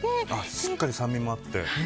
しっかり酸味もあって。